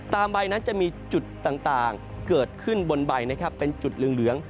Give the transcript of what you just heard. ใบนั้นจะมีจุดต่างเกิดขึ้นบนใบนะครับเป็นจุดเหลือง